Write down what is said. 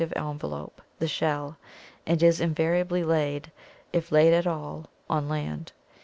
(After Hkj envelop, the shell, and is invariably laid, if laid at all, on land.